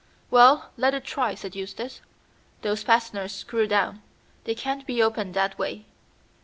"Well, let it try," said Eustace. "Those fasteners screw down; they can't be opened that way.